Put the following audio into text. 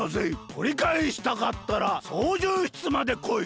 とりかえしたかったらそうじゅう室までこい！